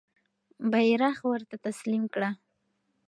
بیرغ ورته تسلیم کړه.